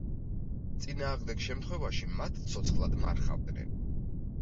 წინააღმდეგ შემთხვევაში მათ ცოცხლად მარხავდნენ.